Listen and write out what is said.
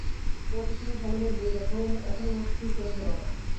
তোমরা কিছুদিন সময় নিয়ে ভেবে দেখো, এখনই মত স্থির করে ফেলো না।